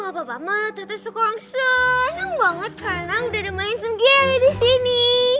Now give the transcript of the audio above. gak apa apa malah tata suka orang seneng banget karena udah ada main seneng gary disini